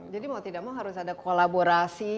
jadi mau tidak mau harus ada kolaborasi